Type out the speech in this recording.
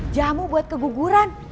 jamu buat keguguran